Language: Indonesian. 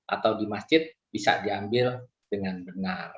atau di masjid bisa diambil dengan benar